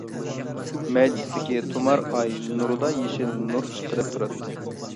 مەيدىسىدىكى تۇمار ئاي نۇرىدا يېشىل نۇر چىقىرىپ تۇراتتى.